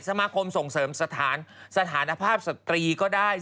สมาคมส่งเสริมสถานภาพสตรีก็ได้